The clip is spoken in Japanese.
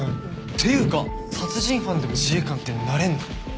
ていうか殺人犯でも自衛官ってなれんの？